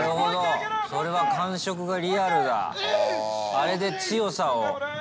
あれで強さを。